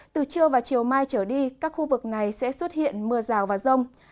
từ trưa và chiều mai trở đi các khu vực này sẽ xuất hiện mưa rào và rông